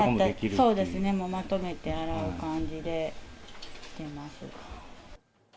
そうですね、まとめて洗う感じでしてます。